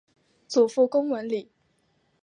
祖父龚文礼。